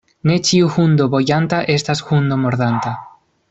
Ne ĉiu hundo bojanta estas hundo mordanta.